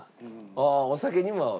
ああお酒にも合う？